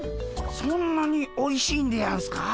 そんなにおいしいんでやんすか？